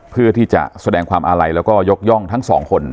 เพื่อที่จะแสดงความอาลัยแล้วก็ยกย่องทั้งสองคน